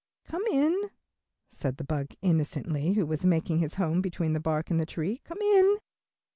"Come in," said the bug, innocently, who was making his home between the bark and the tree, "come in."